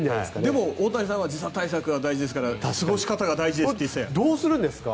でも大谷さんは時差対策が大事ですから、過ごし方が大事ですと言ってたじゃないですか。